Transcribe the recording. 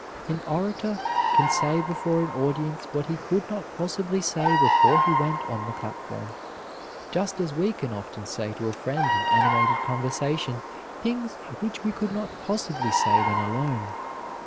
An orator can say before an audience what he could not possibly say before he went on the platform, just as we can often say to a friend in animated conversation things which we could not possibly say when alone.